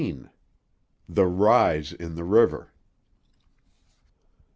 THE RISE IN THE RIVER.